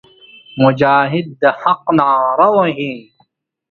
مجاهد د حق ناره وهي.